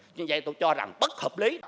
như vậy tôi cho rằng bất hợp lý